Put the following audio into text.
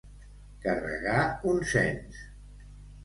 Carregar un cens.